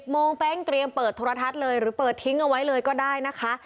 โมงเป๊งเตรียมเปิดโทรทัศน์เลยหรือเปิดทิ้งเอาไว้เลยก็ได้นะคะ